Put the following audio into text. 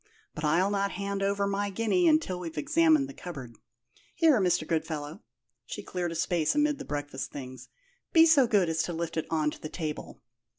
But I'll not hand over my guinea until we've examined the cupboard. Here, Mr. Goodfellow" she cleared a space amid the breakfast things "be so good as to lift it on to the table.